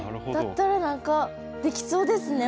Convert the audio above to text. だったら何かできそうですね